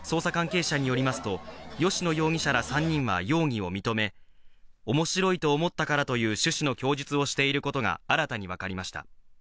捜査関係者によりますと、吉野容疑者ら３人は容疑を認め、面白いと思ったからという趣旨の供述をしていることが新たに分かりました。